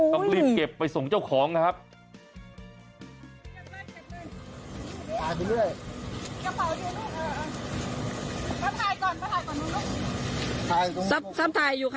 ต้องรีบเก็บไปส่งเจ้าของนะครับ